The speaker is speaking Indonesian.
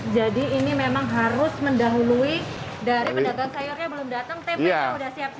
jadi ini memang harus mendahului dari pedagang sayurnya belum datang tempenya udah siap